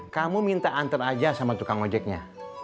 kamu minta antar aja sama tukang ojeknya